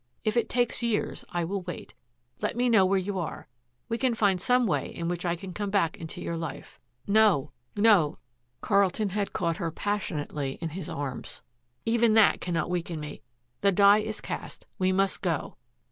If it takes years, I will wait. Let me know where you are. We can find some way in which I can come back into your life. No, no," Carlton had caught her passionately in his arms "even that cannot weaken me. The die is cast. We must go."